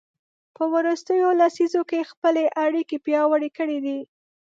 په وروستیو لسیزو کې یې خپلې اړیکې پیاوړې کړي دي.